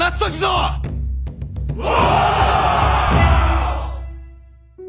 お！